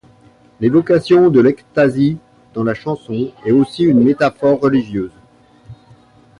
L'évocation de l'ecstasy dans la chanson est aussi une métaphore religieuse.